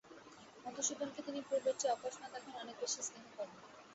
মধুসূদনকে তিনি পূর্বের চেয়ে অকস্মাৎ এখন অনেক বেশি স্নেহ করেন।